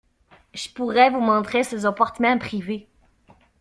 Je pourrais vous montrer ses appartements privés.